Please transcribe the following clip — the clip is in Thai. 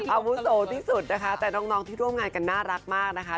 อาวุโสที่สุดนะคะแต่น้องที่ร่วมงานกันน่ารักมากนะคะ